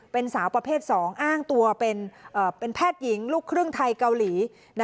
เป็นสาวประเภท๒อ้างตัวเป็นแพทย์หญิงลูกครึ่งไทยเกาหลี